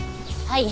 はい。